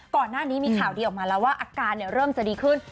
ก่อนหน้านี้มีข่าวดีออกมาแล้วว่าอาการเริ่มจะดีขึ้น